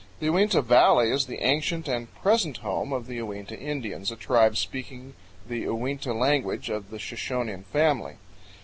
The Uinta Valley is the ancient and present home of the Uinta Indians, a tribe speaking the Uinta language of the Shoshonean family.